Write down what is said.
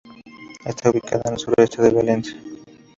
Está ubicada a al sureste de Valence.